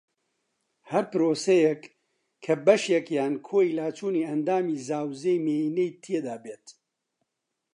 ھەر پرۆسەیەک کە بەشێک یان کۆی لاچوونی ئەندامی زاوزێی مێینەی تێدا بێت